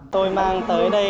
tôi mang tới đây